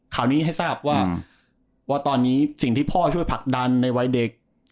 ข่าวนี้ให้ทราบว่าตอนนี้สิ่งที่พ่อช่วยผลักดันในวัยเด็ก